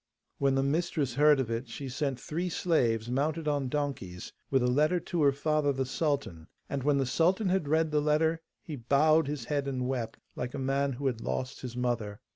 When the mistress heard of it, she sent three slaves, mounted on donkeys, with a letter to her father the sultan, and when the sultan had read the letter he bowed his head and wept, like a man who had lost his mother.